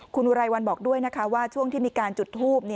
คุณอุไรวันบอกด้วยนะคะว่าช่วงที่มีการจุดทูบ